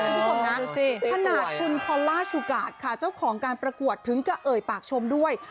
คุณผู้ชมนะขนาดคุณพอลล่าชูกาดค่ะเจ้าของการประกวดถึงก็เอ่ยปากชมด้วย